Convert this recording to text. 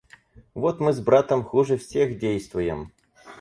Вот мы с братом хуже всех действуем.